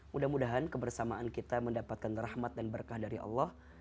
mudah mudahan kebersamaan kita mendapatkan rahmat dan berkah dari allah